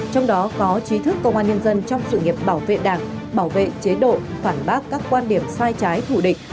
trong đó có trí thức công an nhân dân trong sự nghiệp bảo vệ đảng bảo vệ chế độ phản bác các quan điểm sai trái thủ địch